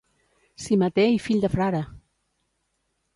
Simater i fill de frare!